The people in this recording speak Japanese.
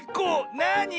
なに。